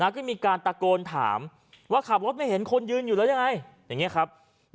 ก็มีการตะโกนถามว่าขับรถไม่เห็นคนยืนอยู่แล้วยังไงอย่างนี้ครับ